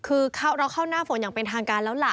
คือเราเข้าหน้าฝนอย่างเป็นทางการแล้วล่ะ